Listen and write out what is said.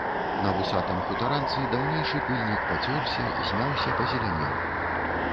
На вусатым хутаранцы даўнейшы пыльнік пацёрся, змяўся, пазелянеў.